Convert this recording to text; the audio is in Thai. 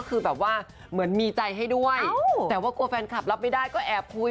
เพราะว่ามีนักร้องที่แบบว่าแอบเกย์